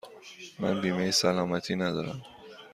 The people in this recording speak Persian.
من بیمه سلامتی ندارم.